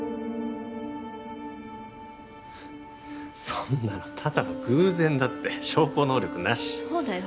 そんなのただの偶然だって証拠能力なしそうだよ